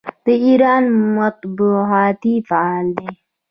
د ایران مطبوعات فعال دي.